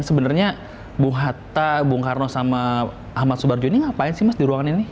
sebenarnya bung hatta bung karno sama ahmad subarjo ini ngapain sih mas di ruangan ini